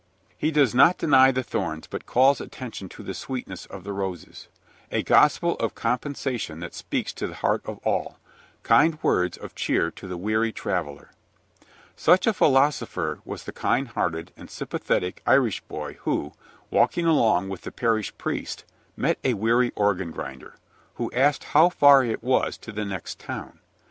He does not deny the thorns, but calls attention to the sweetness of the roses a gospel of compensation that speaks to the heart of all; kind words of cheer to the weary traveler. Such a philosopher was the kind hearted and sympathetic Irish boy who, walking along with the parish priest, met a weary organ grinder, who asked how far it was to the next town.